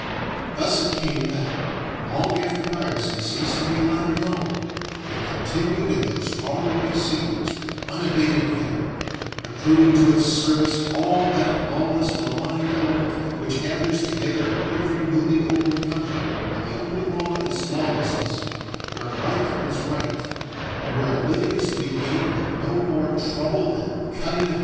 Thus it came that, long after piracy ceased to be allowed at home, it continued in those far away seas with unabated vigor, recruiting to its service all that lawless malign element which gathers together in every newly opened country where the only law is lawlessness, where might is right and where a living is to be gained with no more trouble than cutting a throat.